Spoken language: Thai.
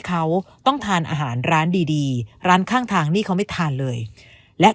เขาต้องทานอาหารร้านดีดีร้านข้างทางนี่เขาไม่ทานเลยและ